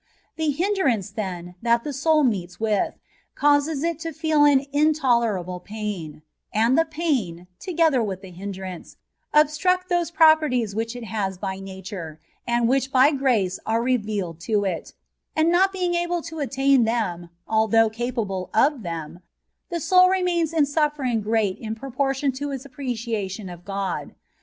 The hindrance, then, that the soni meets with, canses it to feel an intolerable pain; and the pain, together with the hindrance, obstruct those properties which it has by nature, and which by grace are revealed to it ; and not being able to attain them, although capable of them, the soul remains in suffering great in pro portion to its appreciation of God.